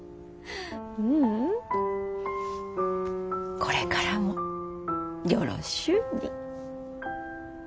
これからもよろしゅうに。